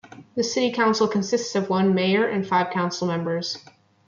The City Council consists of one Mayor and five Council Members.